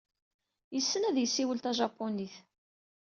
Yessen ad yessiwel tajapunit.